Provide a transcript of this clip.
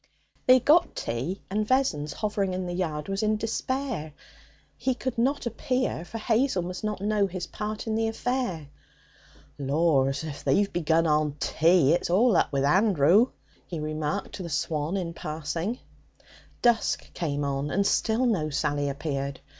They got tea; and Vessons, hovering in the yard, was in despair. He could not appear, for Hazel must not know his part in the affair. 'Laws! If they've begun on tea, it's all up with Andrew,' he remarked to the swan in passing. Dusk came on and still no Sally appeared.